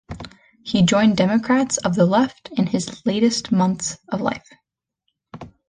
He joined Democrats of the Left in his latest months of life.